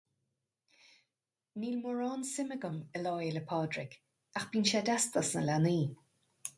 Níl mórán suim agam i Lá Fhéile Pádraig, ach bíonn sé deas dos na leanaí.